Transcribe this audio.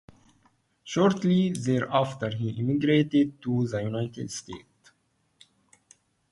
Shortly thereafter he immigrated to the United States.